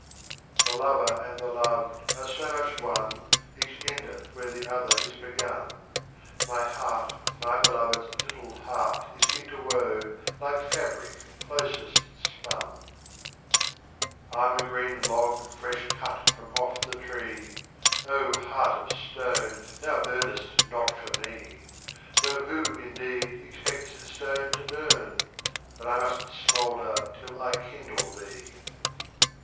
31. The Lover and the Loved are so much One, Each endeth where the Other is begun ; My Heart with my Beloved's little Heart Is interwove like Fabric closest spun. BABA TAHIR 32. I'm a green Log fresh cut from off the Tree, Heart of Stone, thou burnest not for me, â€" Though who, indeed, expects a Stone to burn ? But I must smoukler till I kindle thee.